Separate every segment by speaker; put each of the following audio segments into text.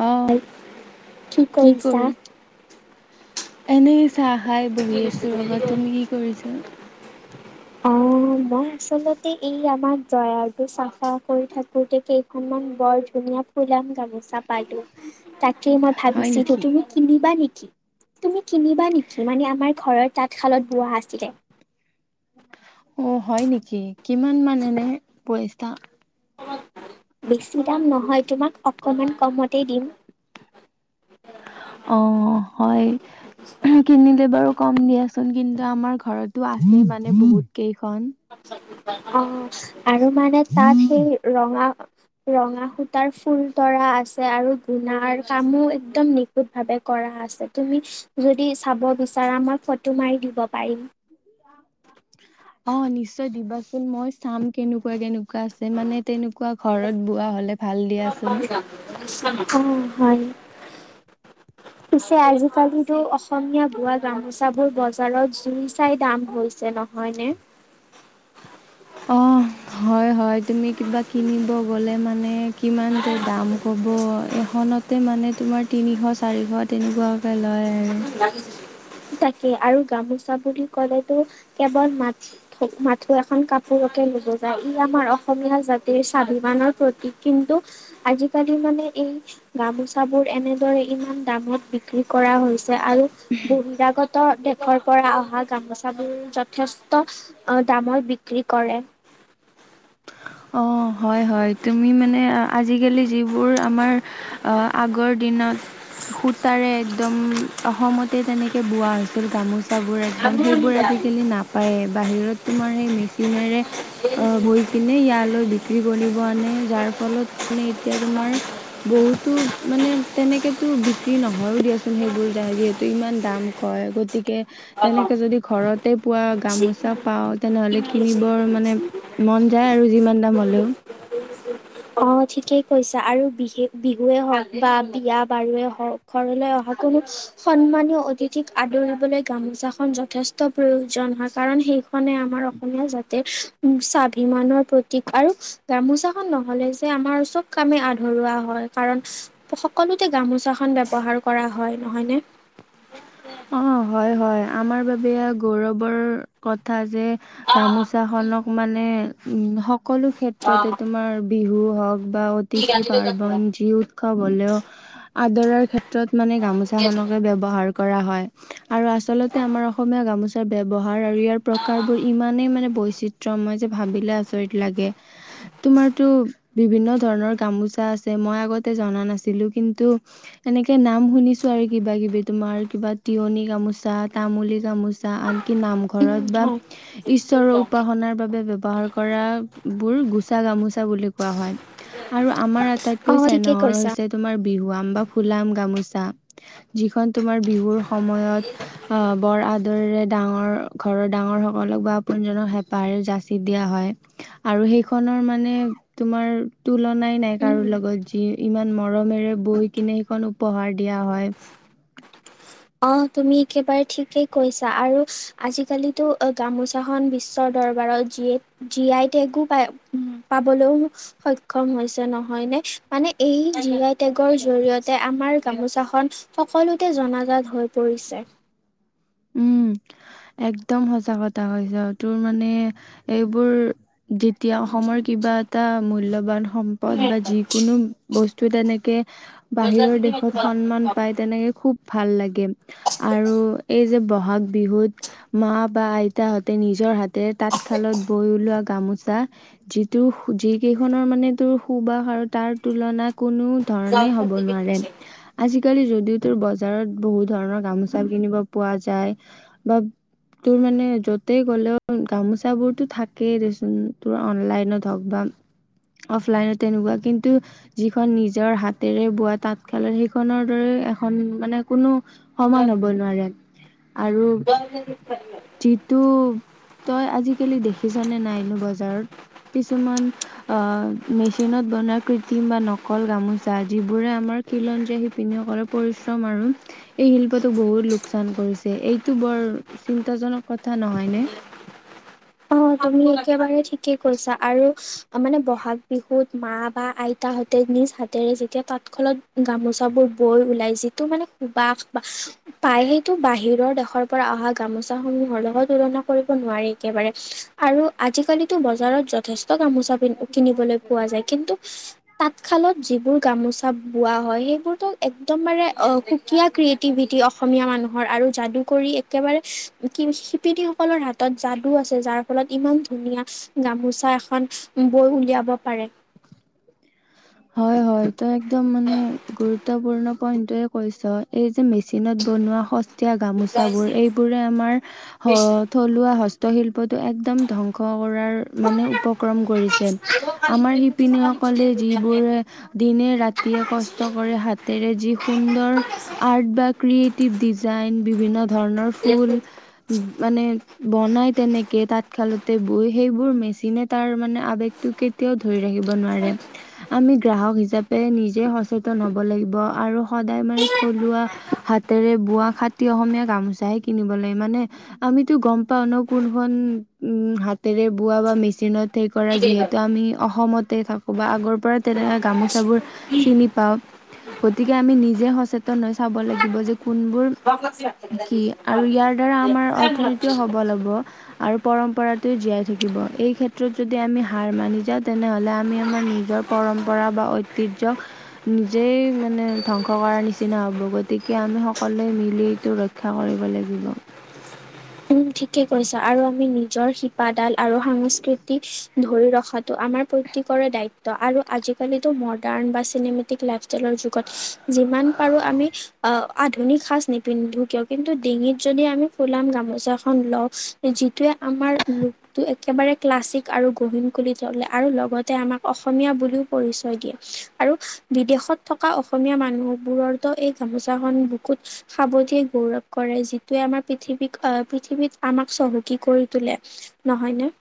Speaker 1: অ
Speaker 2: কি কৰিছা?
Speaker 1: এনেই চাহ খাই বহি আছো ৰবা তুমি কি কৰিছা?
Speaker 2: অ, মই আচলতে এই আমাৰ ড্ৰয়াৰটো চাফা কৰি থাকোতে কেইখনমান বৰ ধুনীয়া ফুলাম গামোচা পালো, তাকেই মই
Speaker 1: হয়
Speaker 2: ভাবিছো
Speaker 1: নেকি?
Speaker 2: তুমি কিনিবা নেকি, তুমি কিনিবা নেকি? মানে আমাৰ ঘৰৰ তাঁতশালত বোৱা আছিলে।
Speaker 1: অ, হয় নেকি? কিমান মানে এনে পইচা?
Speaker 2: বেছি দাম নহয় তোমাক অকণমান কমতেই দিম।
Speaker 1: অঁ হয়। কিনিলে বাৰু কম দিয়াচোন কিন্তু আমাৰ ঘৰতো আছেই মানে বহুত কেইখন।
Speaker 2: অ, আৰু মানে তাত সেই ৰঙা ৰঙা সূতাৰ ফুল তৰা আছে আৰু গুণাৰ কামো একদম [unintelligible] ভাৱে কৰা আছে তুমি যদি চাব বিচাৰা মই ফটো মাৰি দিব পাৰিম। [inaudible]
Speaker 1: অ, নিশ্চয় দিবাচোন মই চাম কেনেকুৱা-কেনেকুৱা আছে, মানে তেনেকুৱা ঘৰত বোৱা হলে ভাল
Speaker 2: অ,
Speaker 1: দিয়াচোন।
Speaker 2: হয়। পিছে আজিকালিতো অসমীয়া বোৱা গামোচাবোৰ বজাৰত জুই চাই দাম হৈছে ন। হয়নে?
Speaker 1: অ, হয়-হয় তুমি কিবা কিনিব গলে মানে কিমান যে দাম। হ'ব এখনতে মানে তোমাৰ তিনিশ-চাৰিশ তেনেকুৱাকে লয় আৰু।
Speaker 2: তাকে আৰু গামোচা বুলি ক'লেতো কেৱল মাত মাথো এখন কাপোৰকে নুবুজায়, ই আমাৰ অসমীয়া জাতিৰ স্বাভিমানৰ প্ৰতীক, কিন্তু আজিকালি মানে এই গামোচাবোৰ এনেদৰে ইমান দামত বিক্ৰী কৰা হৈছ আৰু বহিৰাগত ত' দেশৰ পৰা অহা গামোচাবোৰ যথেষ্ট দামত বিক্ৰী কৰে।
Speaker 1: অ', হয়-হয়, তুমি মানে, আজিকালি যিবোৰ আমাৰ আহ, আগৰ দিনত সূতাৰে একদম, অসমতে তেনেকে বোৱা হৈছিল গামোচা বোৰ একদম সেইবোৰ আজিকালি নাপায়ে, বাহিৰত তোমাৰ সেই মেচিনেৰে আহ, বৈ কিনে ইয়ালৈ বিক্ৰী কৰিব আনে, যাৰ ফলত, মানে এতিয়া তোমাৰ বহুতো মানে তেনেকেতো বিক্ৰী নহয়ও দিয়াচোন সেইবোৰ যায় যিহেতু, ইমান দাম কয়। গতিকে, তেনেকে যদি ঘৰত তে বোৱা গামোচা পাও, তেনেহলে কিনিবৰ মানে মন যায় আৰু যিমান দাম হ'লেও।
Speaker 2: [inaudible] অ', ঠিকেই কৈছা আৰু বিশেষ বিহুৱে হওক বা বিয়া বাৰুৱে হওক ঘৰলৈ অহা কোনো সন্মানীয় অতিথিক আদৰিবলৈ গামোচা খন যথেষ্ট প্ৰয়ো জন হয়, কাৰণ সেইখনে আমাৰ অসমীয়া জাতিৰ উ স্বাভিমানৰ প্ৰতীক। আৰু গামোচাখন নহ'লে যে আমাৰ চব কামে আধৰুৱা হয় কাৰণ সকলোতে গামোচাখন ব্যৱহাৰ কৰা হয়, নহয়নে।
Speaker 1: অ', হয়, হয় আমাৰ বাৱে এইয়া গৌৰৱৰ কথা যে, গামোচাখনক মানে, উম সকলো ক্ষেত্ৰতে তোমাৰ বিহু হওঁক বা অতিথি পাৰ্বন যি উৎসৱ হ'লেও, আদৰাৰ ক্ষেত্ৰত মানে গামোচাখনকে ব্যৱহাৰ ব্যৱহাৰ কৰা হয় আৰু আচলতে আমাৰ অসমীয়া গামোচা তাৰ ব্যৱহাৰ আৰু ইয়াৰ প্ৰকাৰবোৰ ইমানেই মানে, বৈচিত্ৰ্যময় যে ভাবিলে আচৰিত লাগে।
Speaker 2: [inaudible]
Speaker 1: তোমাৰতো, বিভিন্ন ধৰণৰ গামোচা আছে মই আগতে জনা নাছিলো, কিন্তু তেনেকে নাম শুনিছোঁ আৰু কিবা-কিবি তোমাৰ কিবা তিয়নি গামোচা, তামুলী গামোচা, আনকি নামঘৰ
Speaker 2: উম
Speaker 1: ঘৰত বা
Speaker 2: হয়
Speaker 1: ঈশ্বৰক উপাসনাৰ বাবে ব্যৱহাৰ কৰাবোৰ গোচা গামোচা বুলি কোৱা হয়। আৰু আমাৰ
Speaker 2: অ
Speaker 1: আটাইতকৈ
Speaker 2: ঠিকে
Speaker 1: চেনেহৰ
Speaker 2: কৈছা
Speaker 1: হৈছে তোমাৰ বিহুৱাম বা ফুলাম গামোচা যিখন তোমাৰ বিহুৰ সময়ত আহ, বৰ আদৰেৰে ডাঙৰ ঘৰৰ ডাঙৰসকলক বা আপোনজনক হেঁপাহেৰে যাচি দিয়া হয়। আৰু সেইখনৰ মানে, তোমাৰ তুলনাই নাই,
Speaker 2: উম।
Speaker 1: কাৰো লগত যি ইমান মৰমেৰে বৈ কিনে, সেইখন উপহাৰ দিয়া হয়।
Speaker 2: অ', তুমি একেবাৰে ঠিকেই কৈছা আৰু আজিকালিতো গামোচাখন বিশ্বৰ দৰবাৰত জিয়, জি-আই টেগও পাই উ পাবলৈও সক্ষম হৈছে, নহয়নে মানে, এই জি-আই টেগৰ জৰিয়তে আমাৰ গামোচাখন সকলোতে জনাজাত হৈ পৰিছে।
Speaker 1: উম
Speaker 2: [inaudible]
Speaker 1: একদম সঁচাকথা কৈছা আৰু তোৰ মানে এইবোৰ এতিয়া, অসমৰ কিবা এটা মূল্যৱান সম্পদ বা যি কোনো বস্তু তেনেকে বাহিৰৰ দেশত সন্মান পায়, তেনেকে খুৱ ভাল লাগে, আৰু এই যে বহাগ বিহুত মা বা আইতাহঁতে, নিজৰ হাতে তাঁতশালত বৈ ওলোৱা গামোচা যিটো, যিকেইখনৰ মানে তোৰ সুবাস আৰু তাৰ তুলনাত কোনো ধৰণেই হ'ব নোৱাৰে। আজিকালি যদিও, তোৰ বজাৰত বহুত ধৰণৰ গামোচা কিনিব পোৱা যায় বা তোৰ মানে য'তে গ'লেও, গামোচা বোৰতো থাকেই দে চোন তোৰ অনলাইনত হওক বা অফলাইনত তেনেকুৱা কিন্তু যিখন নিজৰ হাতেৰে বোৱা তাঁতশালত সেইখনৰ দৰে এখন মানে কোনো সমান হব নোৱাৰে আৰু যিটো তই আজিকালি দেখিছ নে নাইনো বজাৰত কিছুমান অ', মেচিনত বনোৱা কৃত্ৰিম বা নকল গামোচা যিবোৰে আমাৰ খিলঞ্জীয়া পিনসকলৰ পৰিশ্ৰম আৰু এই শিল্পতো বহুত লোক লোকচান কৰিছে এইটো বৰ চিন্তাজনক কথা নহয়নে।
Speaker 2: অ তুমি একেবাৰে ঠিকেই কৈছা, আৰু মানে বহাগ বিহুত মা বা আই তাহতে নিজ হাতেৰে যেতিয়া তাঁতক্ষালত গামোচাবোৰ বৈ ওলাই যিটো মানে সুবাস বা পাই সেইটো বাহিৰৰ দেশৰ পৰা অহা গামোচা সমূহৰ লগত তুলনা কৰিব নোৱাৰি একেবাৰে আৰু আজিকালিতো বজাৰত যথেষ্ট গামোচা কিনিবলৈ পোৱা যায় কিন্তু তাঁতশালত যিবোৰ গামোচা বোৱা হয় সেইবোৰতো একদমাৰে অখু ক ক্ৰিয়েটিভিটি অসমীয়া মানুহৰ আৰু যাদুকৰি একেবাৰে শিপিনীসকলৰ হাত তত যাদু আছে যাৰ ফলত ইমান ধুনীয়া গামোচা এখন বৈ উলিয়াব পাৰে।
Speaker 1: হয়, হয় ত একদম মানে গুৰুত্বপূৰ্ণ পইন্ট কৈছ এই যে মেচিনত বনোৱা স এতিয়া গামোচ বোৰ এইবোৰে আমাৰ থলুৱা হ হস্তশিল্পটো একদম ধ্বংস কৰাৰ মানে উপক্ৰম কৰিছে, আমাৰ পিনেসকলে যিবোৰৰে দিনে ৰাতিয়ে কষ্ট কৰে হাতেৰে যি সুন্দৰ আৰ্ট বা ক্ৰিয়েটিভ ডিজাইন বিভিন্ন ধৰণৰ ফুল, মানে বনাই তেনেকে তাঁতশালতে বৈ সেইবোৰ মেচিনে তাৰ মানে আৱেগ তটো কেতিয়াও ধৰি ৰাখিব নোৱাৰে। আমি গ্ৰাহক হিচাপে নিজে সচেতন হব লাগিব আৰু সদায় মানে থলুৱা হাতেৰে বোৱা খাটতি অসমীয়া গামোচাহে কিনিব লাগে মানে, আমিতো গম পাও ন কোনখন উ হাতেৰে বোৱা বা মেচিনত সেই কৰা যিহেতু আমি অসমতে থাকোঁ বা আগৰ পৰা তেনেক গামোচাবোৰ চিনি পাওঁ। গতিকে আমি নিজে সচেতন হৈ চাব লাগিব যে কোনবোৰ কি আৰু ইয়াৰ দ্বাৰা আমাৰ অৰ্থনীতিও সবল হ'ব। আৰু পৰম্পৰাতে জীয়াই থাকিব এই ক্ষেত্ৰত যদি আমি হাৰ মানি যাওঁ তেনেহলে আমি আমাৰ নিজৰ পৰম্পৰা বা ঐতিহ্্যক নিজেই মানে ধ্বংস কৰাৰ নিচিনা হ'ব গতিকে আমি সকলোৱে মিলি টো ৰক্ষা কৰিব লাগিব।
Speaker 2: উম ঠিকেই কৈছা। আৰু আমি নিজৰ শিপাডাল আৰু সাংস্কৃতিক ধৰি ৰখাটো আমাৰ প্ৰত্যেকৰে দায়িত্ব, আৰু আজি কলিটো মডাৰ্ণ বা চিনেমেটিক লৰ যুগত যিমান পাৰো আমি আহ আধুনিক সাজ নিপিন্ধো কিয় কিন্তু ডিঙিত যদি আমি ফুলাম গামোচা খন লওঁ যিটোৱে আমাৰ একেবাৰে ক্লাছিক আৰু গহীন কিতলে আৰু লগতে আমাক অসমীয়া বুলিও পৰিচয় দিয়ে। আৰু বিদেশত থকা অসমীয়া মানুহবোৰৰতো এই গামোচাখন বহুত সাৱধিয়ে গৌৰৱ কৰে যিটোৱে আমাৰ পৃথিৱীক আহ, পৃথিৱীত আমাক চহকী কৰি তোলে নহয় নে?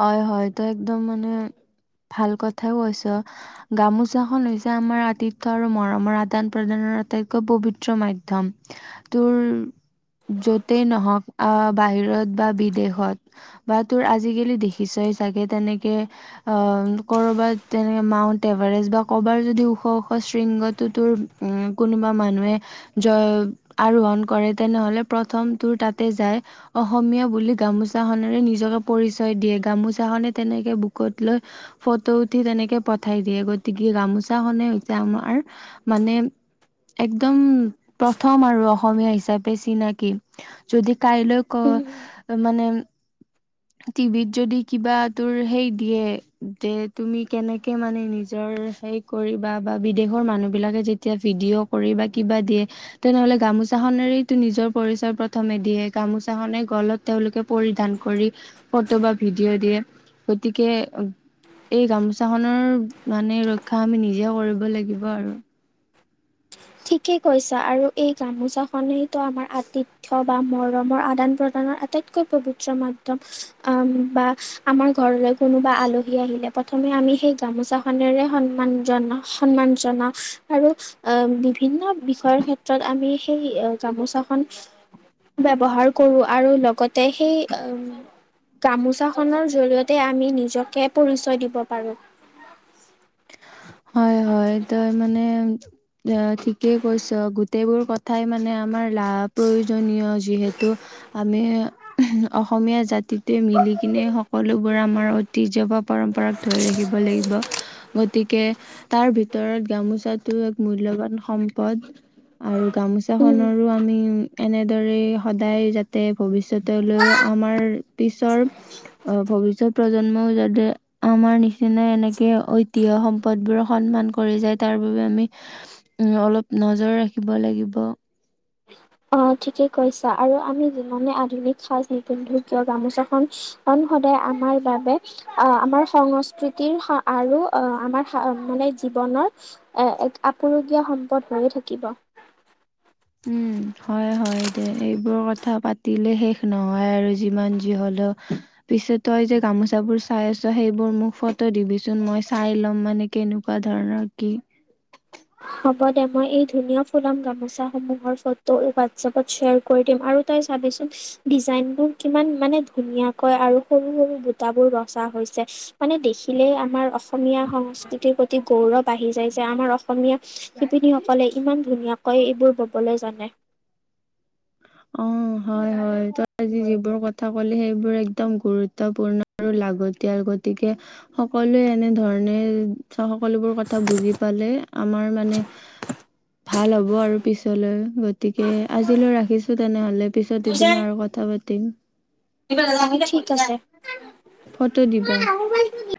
Speaker 1: হয়, হয়, তো একদম মানে ভাল কথাও কৈছ। গামোচাখন হৈছে আমাৰ আতিথয় আৰু মৰমৰ আদান প্ৰদানৰ আটাইতকৈ পবিত্ৰ মাধ্যম। তোৰ য'তেই নহওক আহ বাহিৰত বা বিদেশত বা তোৰ আজিকালি দেখিছই চাগে তেনেকৈ অহ, কৰবাত তেনেকে মাউণ্ট এভাৰেষ্ট বা কৰ'ৰবাত যদি ওখ ওখ শৃংগটো তোৰ উম, কোনোবা মানুহে জয় আৰোহন কৰে তেনেহলে প্ৰথম তোৰ তাতে যায় অসমীয়া বুলি গামোচাখনেৰে নিজকে পৰিচ দিয়ে গামোচাখনে তেনেকে বুকুত লৈ ফটো উঠি তেনেকে পঠাই দিয়ে গতিকে গামোচাখনে হৈছে আমাৰ মানে, একদম প্ৰথম আৰু অসমীয়া হিচাপে চিনাকি। যদি কাইলৈ ক
Speaker 2: উম,
Speaker 1: মানে টিভিত যদি কিবা তোৰ সেই দিয়ে যে তুমি কেনেকে মানে নিজৰ সেই কৰি বা বা বিদেশৰ মানুহ বিলাকে যেতিয়া ভিডিঅ' কৰি বা কিবা দিয়ে, তেনেহলে গামোচাখনেৰেইতটো নিজৰ পৰিচয় প্ৰথমে দিয়ে গামোচাখনে গলত তেওঁলোকে পৰিধান কৰি ফটো বা ভিডিঅ দিয়ে। গতিকে এই গামোচা খনৰ মানে ৰক্ষা আমি নিজে কৰিব লাগিব আৰু।
Speaker 2: ঠিকেই কৈছা, আৰু এই গামোচাখনেইতো আমাৰ আতিত তথ বা মৰমৰ আদান প্ৰদানৰ আটাইতকৈ পবিত্ৰ মাধ্যম। আহম বা আমাৰ ঘৰলৈ কোনোবা আলহী আহিলে প্ৰথমে আমি সেই গামোচাখনেৰে সন্মান জনাওঁ। সন্মান জনা আৰু অ বিভিন্ন বিষয়ৰ ক্ষেত্ৰত আমি সেই গামোচাখন ব্যৱহাৰ কৰো আৰু লগতে সেই উ, গামোচাখনৰ জৰিয়তে আমি নিজকে পৰিচয় দিব পাৰোঁ।
Speaker 1: হয়, হয়, তাৰমানে এ, ঠিকেই কৈছ গোটেইবোৰ কথাই মানে আমাৰ লা- প্ৰয়োজনীয় যিহেতু। আমি অসমীয়া জাতিটোৱে মিলি কিনে সকলোবোৰ আমাৰ ঐতিহ্য বা পৰম্পৰা ধৰি ৰাখিব লাগিব। গতিকে, তাৰ ভিতৰত গামোচাটো এক মূল্যবান সম্পদ। আৰু
Speaker 2: উম,
Speaker 1: গামোচাখনৰো আমি এনেদৰে সদায় যাতে ভৱিষ্যতলৈও আমাৰ পিছৰ অ', ভৱিষ্যত প্ৰজন্মও যাতে আমাৰ নিচিনা এনেকে ঐ তিহ্য সম্পদবোৰ সন্মান কৰি যায় তাৰ বাবে আমি উম, অলপ নজৰ ৰাখিব লাগিব।
Speaker 2: অ', ঠিকেই কৈছা আৰু আমি যিমানে আধুনিক সাজ নিপিন্ধো কিয় গামোচাখন সদায় আমাৰ বাবে অহ, আমাৰ সংস্কৃতিৰ আৰু আমাৰ মানে জীৱনৰ এ, এক আপুৰুগীয়া সম্পদ হৈয়ে থাকিব।
Speaker 1: উম, হয়, হয়। তে, এইবোৰ কথা পাতিলে শেষ নহয় আৰু যিমান যি হ'লেও পিছে তই যে গামোচাবোৰ চাই আছ, সেইবোৰ মোক ফটো দিবিচোন মই চাই ল'ম মানে কেনেকুৱা ধৰণৰ কি!
Speaker 2: হ'ব দে, মই এই ধুনীয়া ফুলাম গামোচাসমূহৰ ফটো হোৱাটছএপত শ্বেয়াৰ কৰি দিম আৰু তই চাবিচোন ডিজাইনবোৰ কিমান মানে ধুনীয়াকৈ আৰু সৰু, সৰু বুটাবোৰ বচা হৈছে। মানে দেখিলেই আমাৰ অসমীয়া সংস্কৃতিৰ প্ৰতি গৌৰৱ আহি যায় যে, আমাৰ অসমীয়া শিপিনীসকলে ইমান ধুনীয়াকৈ এইবোৰ ব'বলৈ জানে।
Speaker 1: অ', হয়, হয়, তই আজি যিবোৰ কথা ক'লি সেইবোৰ একদম গুৰুত্বপূৰ্ণ আৰু লাগতিয়াৰ গতিকে সকলোৱে এনেধৰণে চ সকলোবোৰ কথা বুজি পালে আমাৰ মানে
Speaker 2: [inaudible]
Speaker 1: ভাল হ'ব আৰু পিছলৈ গতিকে, আজিলৈ ৰাখ ৰাখিছো তেনেহ'লে পিছত এদিন আৰু কথা পাতিম।
Speaker 2: [unintelligible] ঠিক আছে।
Speaker 1: ফটো দিবা।
Speaker 2: [inaudible]